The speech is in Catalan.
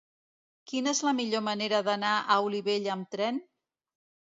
Quina és la millor manera d'anar a Olivella amb tren?